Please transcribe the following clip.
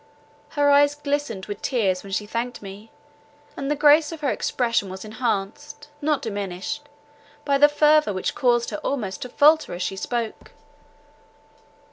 Her eyes glistened with tears when she thanked me, and the grace of her expressions was enhanced, not diminished, by the fervour, which caused her almost to falter as she spoke.